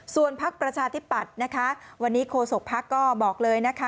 ส่วนพักประชาธิปัตย์นะคะวันนี้โคศกภักดิ์ก็บอกเลยนะคะ